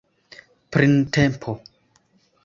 printempo